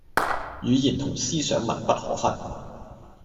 語言同思想密不可分